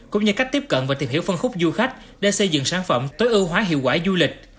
cũng như cách tiếp cận và tìm hiểu phân khúc du khách để xây dựng sản phẩm tối ưu hóa hiệu quả du lịch